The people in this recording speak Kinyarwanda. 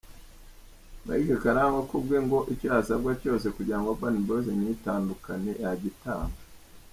Mike Karangwa kubwe ngo icyo yasabwa cyose kugira ngo Urban Boys ntitandukane yagitanga….